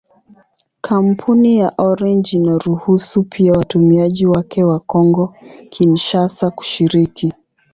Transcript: Kampuni ya Orange inaruhusu pia watumiaji wake wa Kongo-Kinshasa kushiriki.